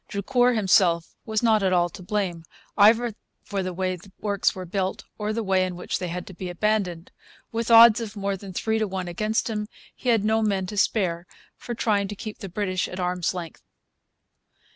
Drucour himself was not at all to blame, either for the way the works were built or the way in which they had to be abandoned. With odds of more than three to one against him, he had no men to spare for trying to keep the British at arm's length.